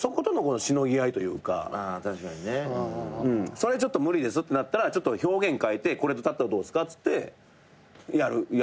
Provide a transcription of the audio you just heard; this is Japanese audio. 「それちょっと無理です」ってなったら表現変えて「これだったらどうですか？」ってやる。